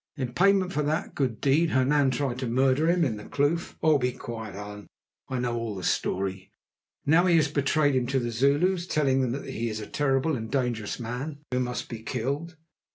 In payment for that good deed Hernan tried to murder him in the kloof—oh! be quiet, Allan; I know all the story. Now he has betrayed him to the Zulus, telling them that he is a terrible and dangerous man who must be killed.